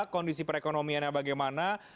kondisi perekonomiannya bagaimana